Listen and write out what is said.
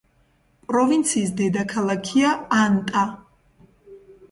პროვინციის დედაქალაქია ანტა.